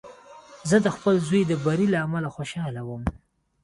زه د خپل زوی د بري له امله خوشحاله وم.